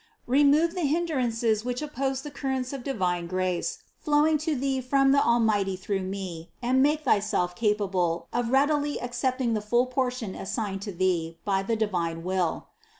Remove the hindrances which oppose the currents of divine grace flowing to thee from the Almighty through me and make thyself ca pable of readily accepting the full portion assigned to thee by the divine will.